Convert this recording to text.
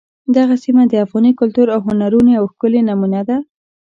دغه سیمه د افغاني کلتور او هنرونو یوه ښکلې نمونه ده.